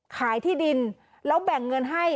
ขายที่ดินแล้วแบ่งเงินให้